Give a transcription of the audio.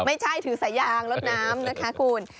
ไม่ใช่ถือสายางรถน้ำนะคะคุณ